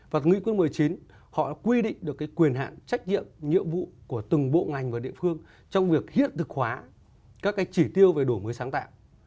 và nghị quyết một mươi chín họ đã quy định được cái quyền hạn trách nhiệm nhiệm vụ của từng bộ ngành và địa phương trong việc hiện thực hóa các cái chỉ tiêu về đổi mới sáng tạo